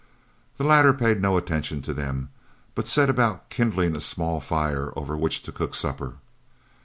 The latter paid no further attention to them, but set about kindling a small fire over which to cook supper.